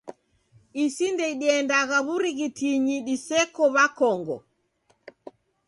Isi ndediendagha w'urighitingi diseko w'akongo.